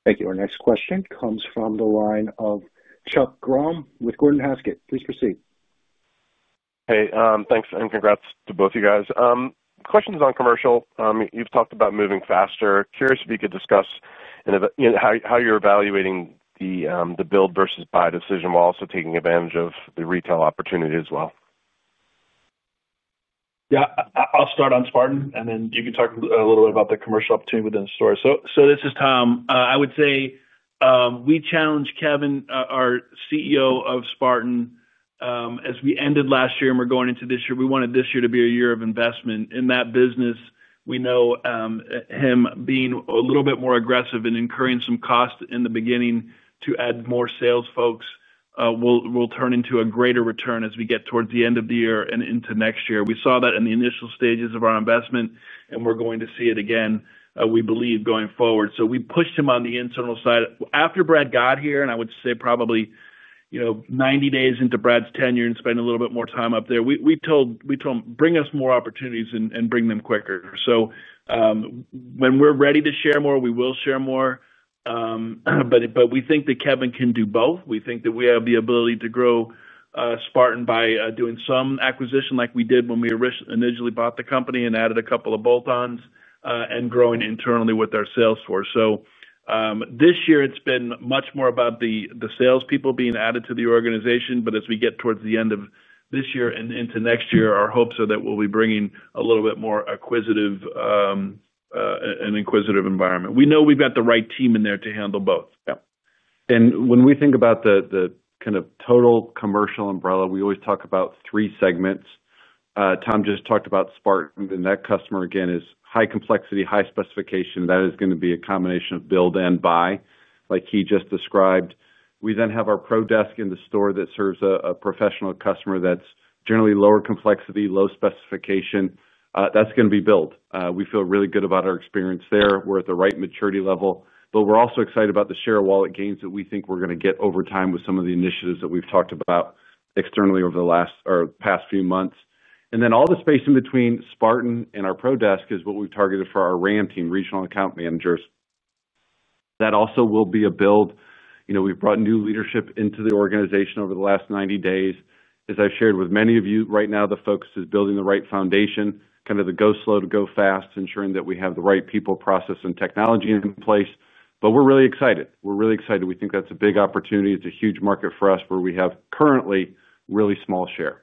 Thank you. Our next question comes from the line of Chuck Grom with Gordon Haskett. Please proceed. Hey, thanks. Congrats to both of you guys. Questions on commercial. You've talked about moving faster. Curious if you could discuss how you're evaluating the build versus buy decision while also taking advantage of the retail opportunity as well. Yeah, I'll start on Spartan and then you can talk a little bit about the commercial opportunity within the store. This is Tom. I would say we challenged Kevin, our CEO of Spartan. As we ended last year and were going into this year, we wanted this year to be a year of investment in that business. We know him being a little bit more aggressive and incurring some cost in the beginning to add more sales folks will turn into a greater return as we get towards the end of the year and into next year. We saw that in the initial stages of our investment, and we're going to see it again, we believe, going forward. We pushed him on the internal side. After Brad got here, and I would say probably 90 days into Brad's tenure and spent a little bit more time up there, we told him, "Bring us more opportunities and bring them quicker." When we're ready to share more, we will share more. We think that Kevin can do both. We think that we have the ability to grow Spartan by doing some acquisition like we did when we originally bought the company and added a couple of bolt-ons and growing internally with our sales force. This year, it's been much more about the salespeople being added to the organization. As we get towards the end of this year and into next year, our hopes are that we'll be bringing a little bit more acquisitive and inquisitive environment. We know we've got the right team in there to handle both. Yeah. When we think about the kind of total commercial umbrella, we always talk about three segments. Tom just talked about Spartan, and that customer, again, is high complexity, high specification. That is going to be a combination of build and buy, like he just described. We then have our pro desk in the store that serves a professional customer that's generally lower complexity, low specification. That's going to be built. We feel really good about our experience there. We're at the right maturity level, but we're also excited about the share of wallet gains that we think we're going to get over time with some of the initiatives that we've talked about externally over the past few months. All the space in between Spartan and our pro desk is what we've targeted for our RAM team, regional account managers. That also will be a build. We've brought new leadership into the organization over the last 90 days. As I've shared with many of you, right now, the focus is building the right foundation, kind of the go slow, the go fast, ensuring that we have the right people, process, and technology in place. We're really excited. We think that's a big opportunity. It's a huge market for us where we have currently a really small share.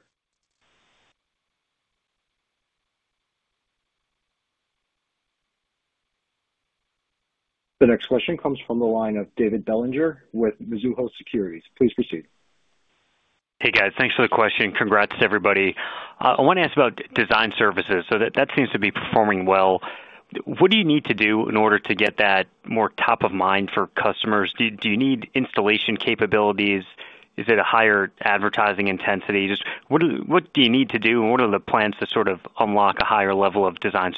The next question comes from the line of David Bellinger with Mizuho Securities. Please proceed. Hey, guys. Thanks for the question. Congrats, everybody. I want to ask about design services. That seems to be performing well. What do you need to do in order to get that more top of mind for customers? Do you need installation capabilities? Is it a higher advertising intensity? What do you need to do, and what are the plans to unlock a higher level of design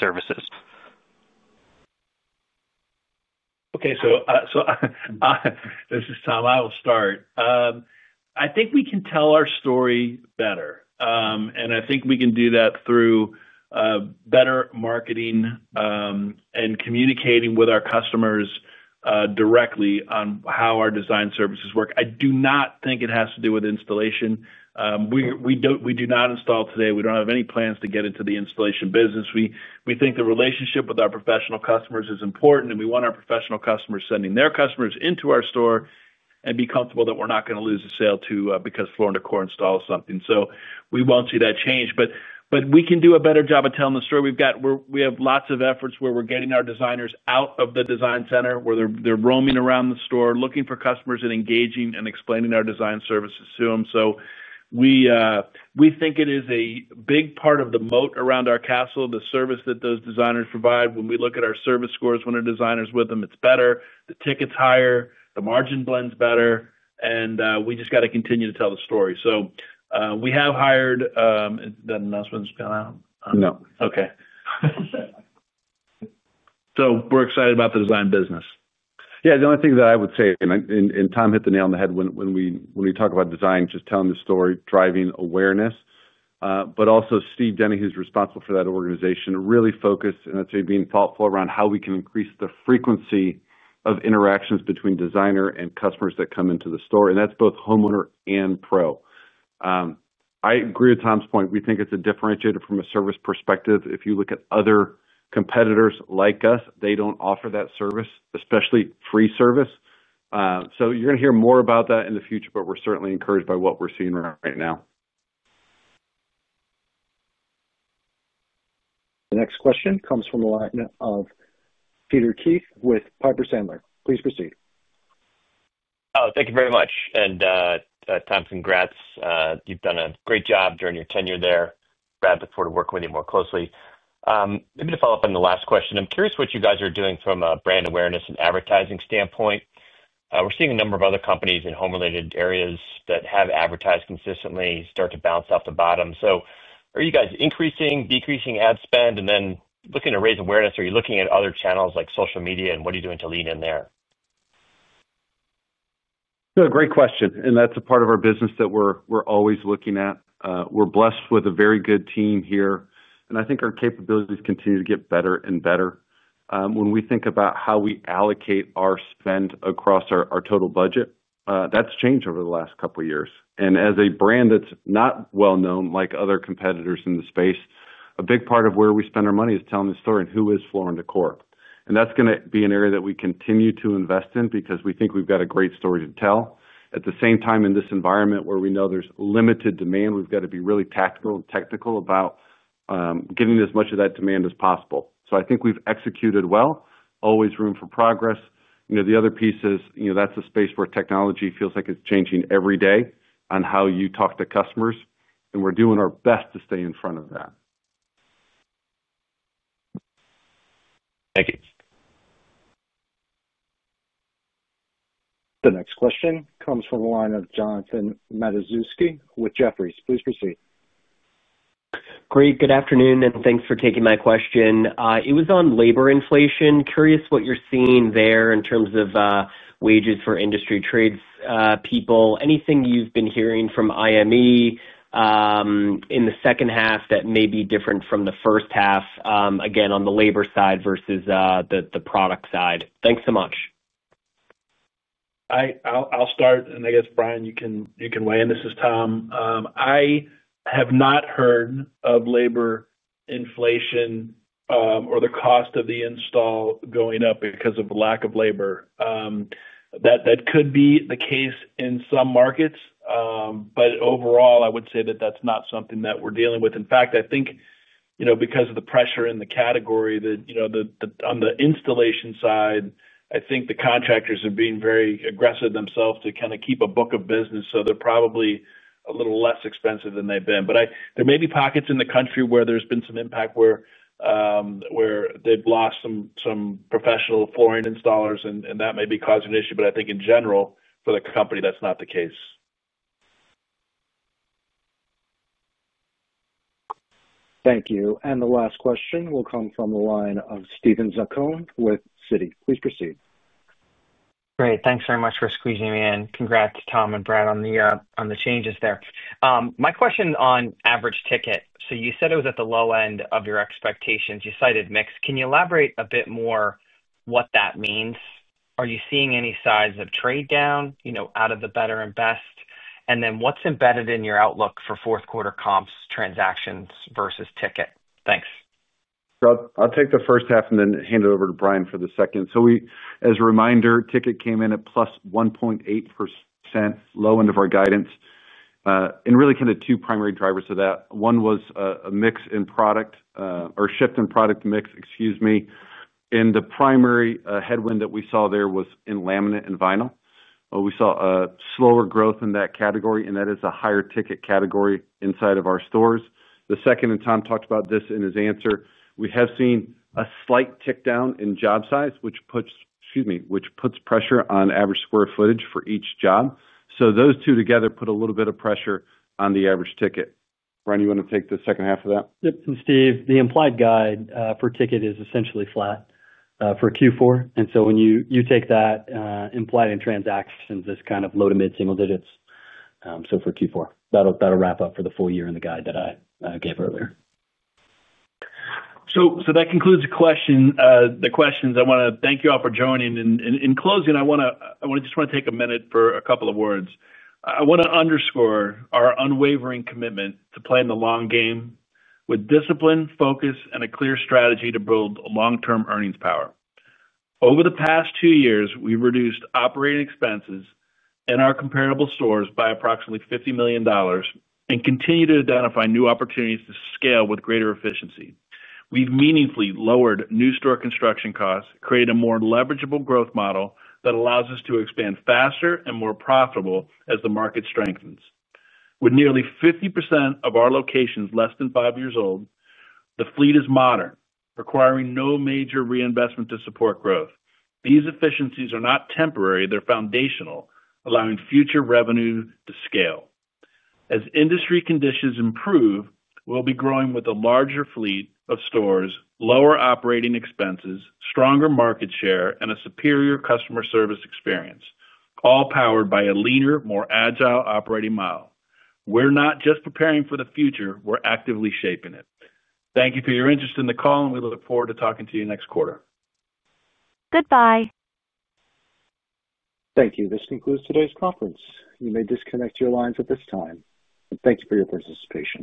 services? Okay. This is Tom. I will start. I think we can tell our story better, and I think we can do that through better marketing and communicating with our customers directly on how our design services work. I do not think it has to do with installation. We do not install today. We don't have any plans to get into the installation business. We think the relationship with our professional customers is important, and we want our professional customers sending their customers into our store and be comfortable that we're not going to lose a sale too because Floor & Decor installs something. We won't see that change. We can do a better job of telling the story. We have lots of efforts where we're getting our designers out of the design center, where they're roaming around the store, looking for customers and engaging and explaining our design services to them. We think it is a big part of the moat around our castle, the service that those designers provide. When we look at our service scores, when our designers are with them, it's better. The ticket's higher. The margin blends better. We just got to continue to tell the story. We have hired. That announcement's gone out? No. Okay. We're excited about the design business. Yeah. The only thing that I would say, and Tom hit the nail on the head when we talk about design, just telling the story, driving awareness. Also, Steve Denny, who's responsible for that organization, is really focused, and that's being thoughtful around how we can increase the frequency of interactions between designer and customers that come into the store. That's both homeowner and pro. I agree with Tom's point. We think it's a differentiator from a service perspective. If you look at other competitors like us, they don't offer that service, especially free service. You're going to hear more about that in the future, but we're certainly encouraged by what we're seeing right now. The next question comes from the line of Peter Keith with Piper Sandler. Please proceed. Thank you very much. Tom, congrats. You've done a great job during your tenure there. Glad to be able to work with you more closely. Maybe to follow up on the last question, I'm curious what you guys are doing from a brand awareness and advertising standpoint. We're seeing a number of other companies in home-related areas that have advertised consistently start to bounce off the bottom. Are you guys increasing or decreasing ad spend, and then looking to raise awareness? Are you looking at other channels like social media, and what are you doing to lean in there? Great question. That's a part of our business that we're always looking at. We're blessed with a very good team here, and I think our capabilities continue to get better and better. When we think about how we allocate our spend across our total budget, that's changed over the last couple of years. As a brand that's not well-known like other competitors in the space, a big part of where we spend our money is telling the story and who is Floor & Decor. That's going to be an area that we continue to invest in because we think we've got a great story to tell. At the same time, in this environment where we know there's limited demand, we've got to be really tactical and technical about getting as much of that demand as possible. I think we've executed well. Always room for progress. The other piece is that's a space where technology feels like it's changing every day on how you talk to customers, and we're doing our best to stay in front of that. Thank you. The next question comes from the line of Jonathan Matuszewski with Jefferies. Please proceed. Great. Good afternoon, and thanks for taking my question. It was on labor inflation. Curious what you're seeing there in terms of wages for industry tradespeople. Anything you've been hearing from IME in the second half that may be different from the first half, again, on the labor side versus the product side. Thanks so much. I'll start, and I guess, Bryan, you can weigh in. This is Tom. I have not heard of labor inflation or the cost of the install going up because of lack of labor. That could be the case in some markets, but overall, I would say that that's not something that we're dealing with. In fact, I think because of the pressure in the category, on the installation side, the contractors are being very aggressive themselves to kind of keep a book of business, so they're probably a little less expensive than they've been. There may be pockets in the country where there's been some impact where they've lost some professional flooring installers, and that may be causing an issue. I think, in general, for the company, that's not the case. Thank you. The last question will come from the line of Steven Zaccone with Citi. Please proceed. Great. Thanks very much for squeezing me in. Congrats, Tom and Brad, on the changes there. My question on average ticket. You said it was at the low end of your expectations. You cited mix. Can you elaborate a bit more what that means? Are you seeing any signs of trade down out of the better and best? What's embedded in your outlook for fourth-quarter comps transactions versus ticket? Thanks. I'll take the first half and then hand it over to Bryan for the second. As a reminder, ticket came in at +1.8%, low end of our guidance. There were really kind of two primary drivers of that. One was a mix in product or shift in product mix, excuse me. The primary headwind that we saw there was in laminate and vinyl. We saw a slower growth in that category, and that is a higher ticket category inside of our stores. The second, and Tom talked about this in his answer, we have seen a slight tick down in job size, which puts pressure on average square footage for each job. Those two together put a little bit of pressure on the average ticket. Bryan, you want to take the second half of that? Yes. Steve, the implied guide for ticket is essentially flat for Q4. When you take that implied in transactions, it's kind of low to mid single digits. For Q4, that'll wrap up for the full year in the guide that I gave earlier. That concludes the questions. I want to thank you all for joining. In closing, I want to just take a minute for a couple of words. I want to underscore our unwavering commitment to playing the long game with discipline, focus, and a clear strategy to build long-term earnings power. Over the past two years, we reduced operating expenses in our comparable stores by approximately $50 million and continue to identify new opportunities to scale with greater efficiency. We've meaningfully lowered new store construction costs, created a more leverageable growth model that allows us to expand faster and more profitably as the market strengthens. With nearly 50% of our locations less than five years old, the fleet is modern, requiring no major reinvestment to support growth. These efficiencies are not temporary. They're foundational, allowing future revenue to scale. As industry conditions improve, we'll be growing with a larger fleet of stores, lower operating expenses, stronger market share, and a superior customer service experience, all powered by a leaner, more agile operating model. We're not just preparing for the future. We're actively shaping it. Thank you for your interest in the call, and we look forward to talking to you next quarter. Thank you. This concludes today's conference. You may disconnect your lines at this time. Thank you for your participation.